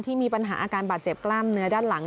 มีปัญหาอาการบาดเจ็บกล้ามเนื้อด้านหลัง